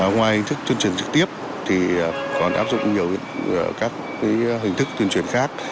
ngoài hình thức tuyên truyền trực tiếp thì còn áp dụng nhiều các hình thức tuyên truyền khác